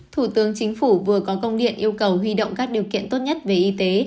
thủ tướng chính phủ vừa có công điện yêu cầu huy động các điều kiện tốt nhất về y tế